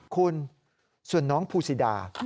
คุณส่วนน้องภูซิดา